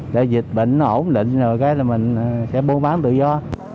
để dịch bệnh ổn định rồi mình sẽ buôn bán tự do